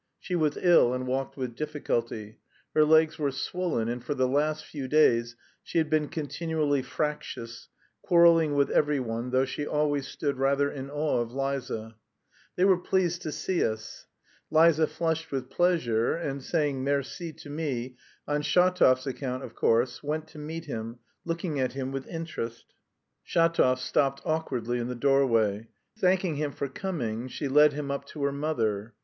She was ill and walked with difficulty. Her legs were swollen, and for the last few days she had been continually fractious, quarrelling with every one, though she always stood rather in awe of Liza. They were pleased to see us. Liza flushed with pleasure, and saying "merci" to me, on Shatov's account of course, went to meet him, looking at him with interest. Shatov stopped awkwardly in the doorway. Thanking him for coming she led him up to her mother.